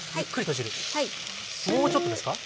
もうちょっとですか？